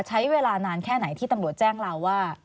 ใช้เวลานานแค่ไหนที่ตำรวจแจ้งเราว่า